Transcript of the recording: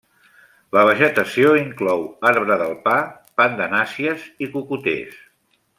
La vegetació inclou arbre del pa, pandanàcies i cocoters.